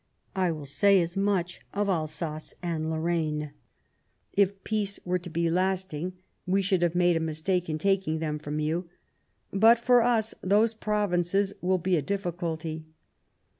I will say as much of Alsace and Lorraine. If peace were to be lasting, we should have made a mistake in taking them from you ; but, for us, those Provinces will be a difficulty."